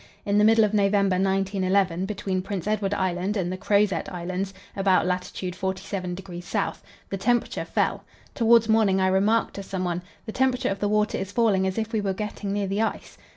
In the middle of November, 1911, between Prince Edward Island and the Crozet Islands (about lat. 47° S.) the temperature fell. Towards morning I remarked to someone: "The temperature of the water is falling as if we were getting near the ice."